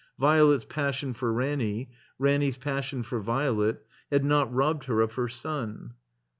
Violet's passion for Ranny, Ranny's passion for Violet, had not robbed her of her son.